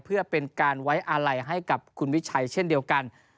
เพื่อเป็นการไว้อาลัยให้กับคุณวิชัยเช่นเดียวกัน